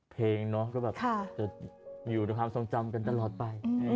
เพลงเนาะก็แบบจะอยู่ในความทรงจำกันตลอดไป